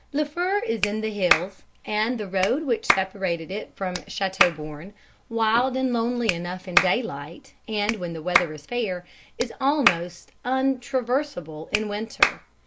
Liffre is in the hills, and the road which separated it from Châteauborne, wild and lonely enough in daylight and when the weather is fair, is almost untraversable in winter.